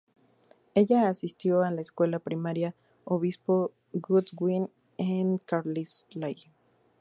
Ella asistió a la Escuela Primaria Obispo Goodwin en Carlisle.